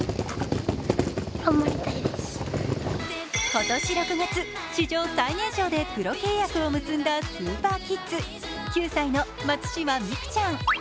今年６月、史上最年少９歳でプロ契約を結んだスーパーキッズ、９歳の松島美空ちゃん。